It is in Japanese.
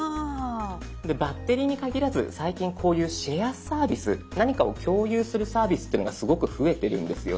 バッテリーに限らず最近こういう「シェアサービス」何かを共有するサービスっていうのがすごく増えてるんですよね。